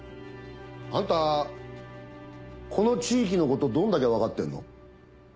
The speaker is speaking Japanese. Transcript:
アンタこの地域のことどんだけわかってんの？